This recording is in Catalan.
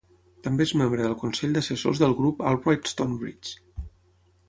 També és membre del Consell d'Assessors del Grup Albright Stonebridge.